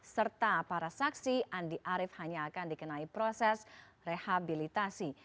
serta para saksi andi arief hanya akan dikenai proses rehabilitasi